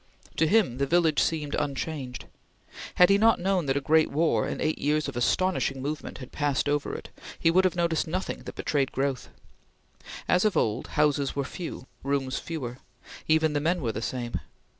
To him the village seemed unchanged. Had he not known that a great war and eight years of astonishing movement had passed over it, he would have noticed nothing that betrayed growth. As of old, houses were few; rooms fewer; even the men were the same.